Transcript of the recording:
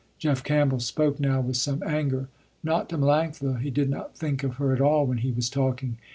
Jeff Campbell spoke now with some anger. Not to Melanctha, he did not think of her at all when he was talking.